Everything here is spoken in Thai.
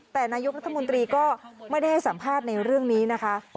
แต่นายกรัฐมนตรีก็ไม่ได้ให้สัมภาษณ์ในเรื่องนี้นะคะ